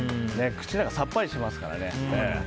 口の中、さっぱりしますからね。